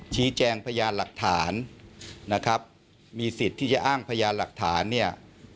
ชี้แจงพยานหลักฐานนะครับมีสิทธิ์ที่จะอ้างพยานหลักฐานเนี่ย